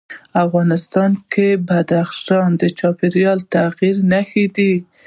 افغانستان کې بدخشان د چاپېریال د تغیر نښه ده.